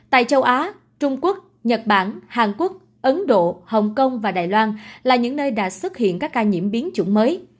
tại châu á trung quốc nhật bản hàn quốc ấn độ hồng kông và đài loan là những nơi đã xuất hiện các ca nhiễm biến chủng mới